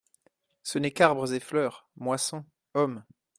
Ce n'est qu'arbres et fleurs, moissons, hommes.